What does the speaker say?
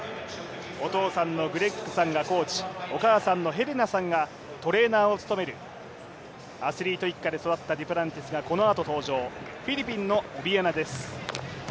お父さんのグレッグさんがコーチお母さんのヘレナさんがトレーナーを務めるアスリート一家で育ったデュプランティスが、このあと登場、フィリピンのオビエナです。